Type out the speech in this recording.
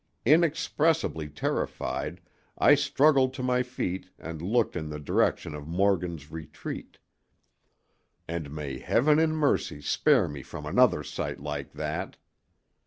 Inexpressibly terrified, I struggled to my feet and looked in the direction of Morgan's retreat; and may Heaven in mercy spare me from another sight like that!